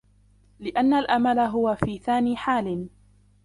لِأَنَّ الْأَمَلَ هُوَ فِي ثَانِي حَالٍ